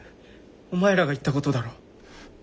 お前らが言ったことだろう。